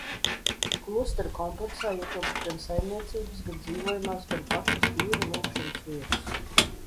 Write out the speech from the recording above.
Klostera kompleksā ietilpst gan saimniecības, gan dzīvojamās, gan pašas Dieva lūgšanas vietas.